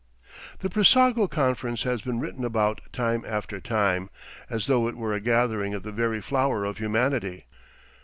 The Brissago conference has been written about time after time, as though it were a gathering of the very flower of humanity.